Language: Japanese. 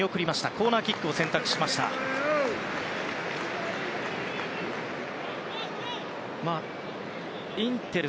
コーナーキックを選択しましたインテル。